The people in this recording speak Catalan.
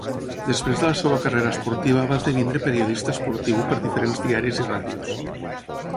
Després de la seva carrera esportiva va esdevenir periodista esportiu per diferents diaris i ràdios.